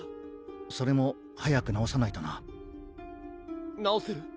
それも早く直さないとな直せる？